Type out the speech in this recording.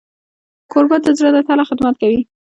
کوربه د زړه له تله خدمت کوي.